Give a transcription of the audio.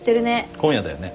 今夜だよね。